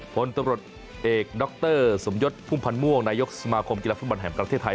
ผลตำรวจเอกดรสมยศพุ่มพันธ์ม่วงนายกสมาคมกีฬาฟุตบอลแห่งประเทศไทย